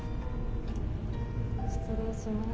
失礼します。